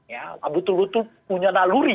ya betul betul punya naluri